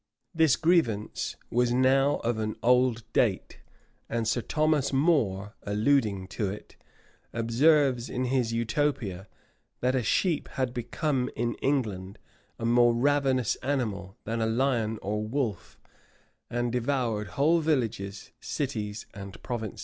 [*] This grievance was now of an old date, and Sir Thomas More, alluding to it, observes in his Utopia, that a sheep had become in England a more ravenous animal than a lion or wolf, and devoured whole villages, cities, and provinces.